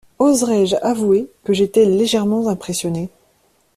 Oserais-je avouer que j’étais légèrement impressionné?